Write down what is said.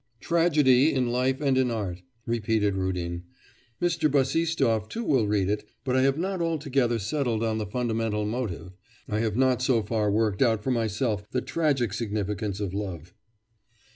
'"Tragedy in Life and in Art,"' repeated Rudin. 'Mr. Bassistoff too will read it. But I have not altogether settled on the fundamental motive. I have not so far worked out for myself the tragic significance of love.